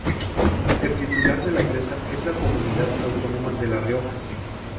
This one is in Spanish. El titular de la presa es la Comunidad Autónoma de La Rioja.